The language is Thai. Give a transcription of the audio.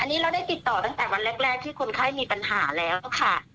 อันนี้เราได้ติดต่อตั้งแต่วันแรกที่คนไข้มีปัญหาแล้วค่ะ